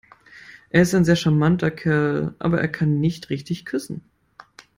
Er ist ein sehr charmanter Kerl, aber er kann nicht richtig küssen.